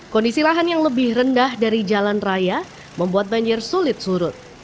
kondisi lahan yang lebih rendah dari jalan raya membuat banjir sulit surut